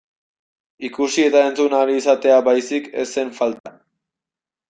Ikusi eta entzun ahal izatea baizik ez zen falta.